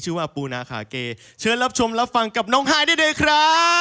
สวัสดีค่ะ